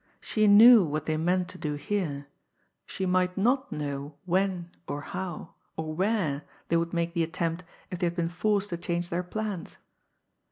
She knew what they meant to do here she might not know when, or how, or where they would make the attempt if they had been forced to change their plans.